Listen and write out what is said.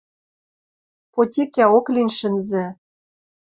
Потикӓок лин шӹнзӹ!